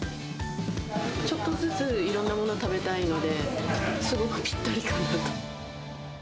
ちょっとずついろんなものを食べたいので、すごくぴったりかなと。